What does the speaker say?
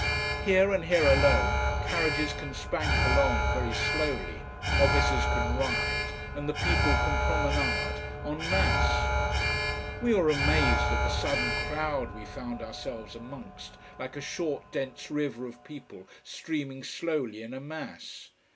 Here, and here alone carriages can spank along, very slowly, officers can ride, and the people can promenade "en masse." We were amazed at the sudden crowd we found ourselves amongst like a short, dense river of people streaming slowly in a mass.